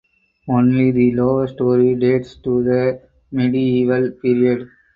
Only the lower story dates to the medieval period.